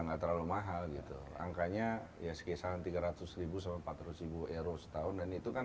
nggak terlalu mahal gitu angkanya ya sekitar tiga ratus ribu sampai empat ratus ribu euro setahun dan itu kan